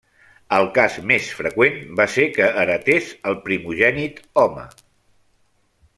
El cas més freqüent va ser que heretés el primogènit home.